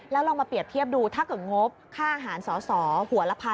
แล้วลองมาเปรียบเทียบดูถ้าเกิดงบค่าอาหารสอสอหัวละ๑๐๐